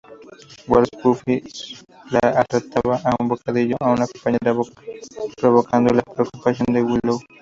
Walsh, Buffy le arrebata un bocadillo a una compañera provocando la preocupación de Willow.